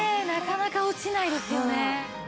なかなか落ちないですよね。